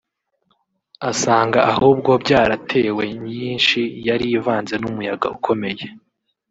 asanga ahubwo byaratewe nyinshi yari ivanze n’umuyaga ukomeye